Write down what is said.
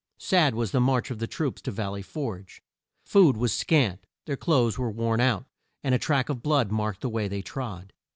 Sad was the march of the troops to Val ley Forge. Food was scant, their clothes were worn out, and a track of blood marked the way they trod.